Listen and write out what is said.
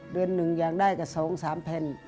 เดือนนึงอยากได้กับ๒๓เพ็ญ